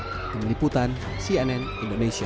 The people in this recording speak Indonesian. dari meliputan cnn indonesia